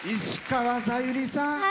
石川さゆりさん。